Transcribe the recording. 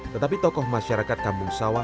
tetapi tokoh masyarakat kampung sawah